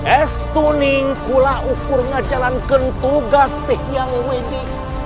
estu ningkulah ukur ngejalankan tugas teh yang ewe di